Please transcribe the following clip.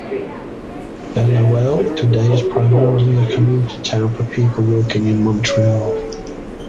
Beloeil today is primarily a commuter town for people working in Montreal.